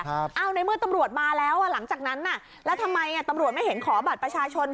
เอ้าในเมื่อตำรวจมาแล้วอ่ะหลังจากนั้นน่ะแล้วทำไมอ่ะตำรวจไม่เห็นขอบัตรประชาชน